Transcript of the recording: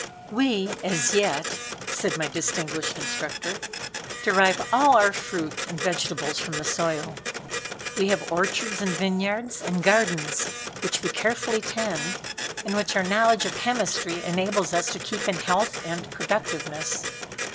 "We, as yet," said my distinguished instructor, "derive all our fruit and vegetables from the soil. We have orchards and vineyards and gardens which we carefully tend, and which our knowledge of chemistry enables us to keep in health and productiveness.